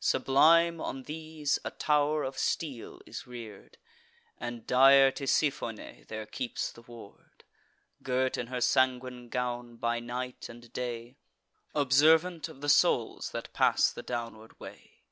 Sublime on these a tow'r of steel is rear'd; And dire Tisiphone there keeps the ward, Girt in her sanguine gown, by night and day, Observant of the souls that pass the downward way.